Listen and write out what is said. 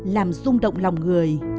làm rung động lòng người